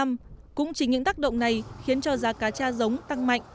cuối năm cũng chính những tác động này khiến cho giá cá cha giống tăng mạnh